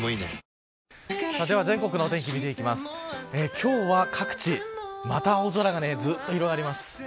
今日は各地また青空がずっと広がります。